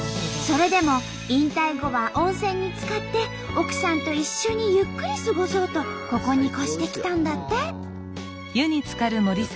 それでも引退後は温泉につかって奥さんと一緒にゆっくり過ごそうとここに越してきたんだって。